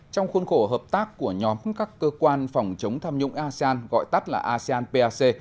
trong khuôn khổ hợp tác của nhóm các cơ quan phòng chống tham nhũng asean gọi tắt là asean pac